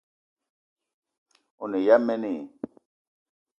O ne ya mene i?